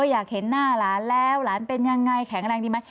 อยากเห็นหน้าร้านแล้วร้านเป็นอย่างไรแข็งกำลังดีไหม